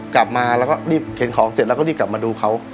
กลับมาแล้วก็รีบเข็นของเสร็จแล้วก็รีบกลับมาดูเขา